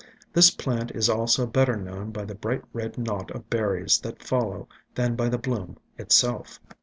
This plant 102 IN SILENT WOODS is also better known by the bright red knot of berries that follow than by the bloom itself.